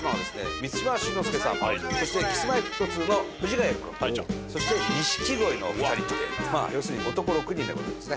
満島真之介さんそしてＫｉｓ−Ｍｙ−Ｆｔ２の藤ヶ谷君そして錦鯉のお二人というまあ要するに男６人でございますね。